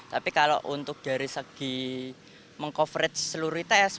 tapi kalau untuk dari segi meng coverage seluruh its